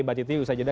mbak citi usai jeda